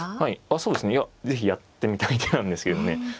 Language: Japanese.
あそうですねいや是非やってみたい手なんですけどね。